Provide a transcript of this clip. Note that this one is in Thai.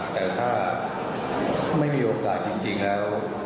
แต่ถ้าไม่มีโอกาสจริงแล้ว